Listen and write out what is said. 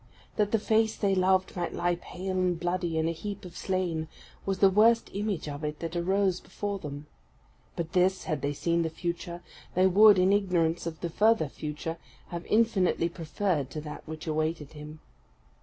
That the face they loved might lie pale and bloody, in a heap of slain, was the worst image of it that arose before them; but this, had they seen the future, they would, in ignorance of the further future, have infinitely preferred to that which awaited him.